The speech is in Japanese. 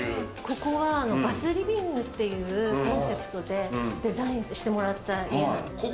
ここはバスリビングっていうコンセプトでデザインしてもらった。